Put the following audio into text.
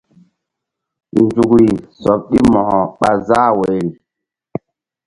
Nzukri sɔɓ ɗi Mo̧ko ɓa záh woyri.